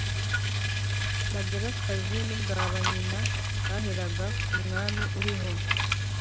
bagabekazi n'ubwa banyina. baheraga ku mwami uriho